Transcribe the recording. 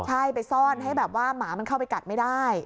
ใช่ไปซ่อนให้แบบว่าหมามันเข้าไปกัดไม่ได้